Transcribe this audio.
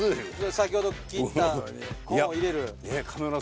先ほど切ったコーンを入れる。